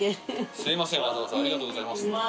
垢澆泙擦わざわざありがとうございます。）